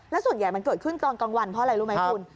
แล้วส่วนใหญ่มันเกิดขึ้นตอนกลางวันเพราะอะไรรู้ไหมคุณ